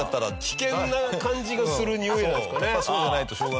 危険な感じがするにおいじゃないとね。